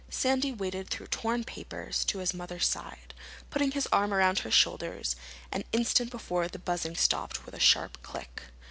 Sandy waded through torn papers to his mother's side, putting his arm around her shoulders an instant before the buzzing stopped with a sharp click.